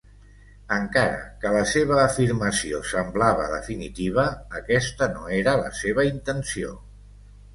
Encara que la seva afirmació semblava definitiva, aquesta no era la seva intenció.